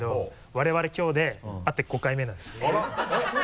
我々きょうで会って５回目なんです。